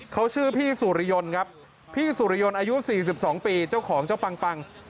เขาชื่อพี่สุริยนต์ครับพี่สุริยนต์อายุ๔๒ปีเจ้าของเจ้าปังปัง